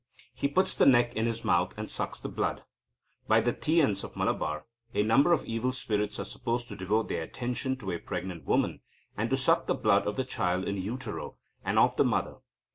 He puts the neck in his mouth, and sucks the blood. By the Tiyans of Malabar a number of evil spirits are supposed to devote their attention to a pregnant woman, and to suck the blood of the child in utero, and of the mother.